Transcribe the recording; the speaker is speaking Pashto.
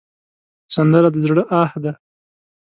سندره د زړه آه ده